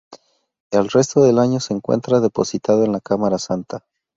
El resto del año se encuentra depositado en la cámara santa.